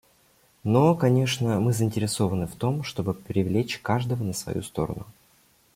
Но, конечно, мы заинтересованы в том, чтобы привлечь каждого на свою сторону.